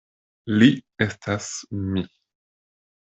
Li estas mi.